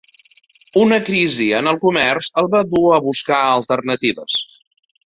Una crisi en el comerç el va dur a buscar alternatives.